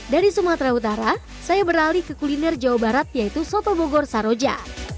dari sumatera utara saya beralih ke kuliner jawa barat yaitu soto bogor saroja